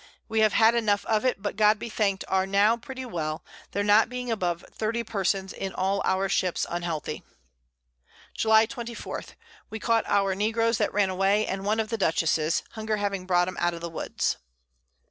We have had enough of it, but God be thank'd are now pretty well, there not being above 30 Persons in all our Ships unhealthy. July 24. We caught our Negroes that ran away, and one of the Dutchess's, Hunger having brought 'em out of the Woods.